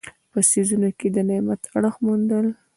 په څیزونو کې د نعمت اړخ موندل.